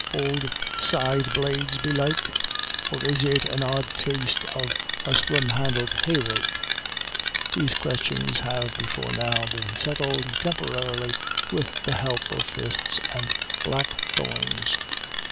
Ould scythe blades, belike ? or is it an odd taste of 250 IRISH IDYLLS. a $lim handled hay rake ?" These questions have before now been settled, temporarily, with the help of fists and blackthorns.